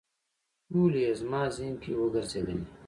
ټولې یې زما ذهن کې وګرځېدلې.